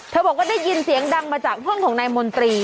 บอกว่าได้ยินเสียงดังมาจากเพื่อนของนายมนตรี